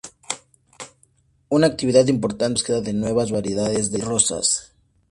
Una actividad importante es la búsqueda de nuevas variedades de rosas.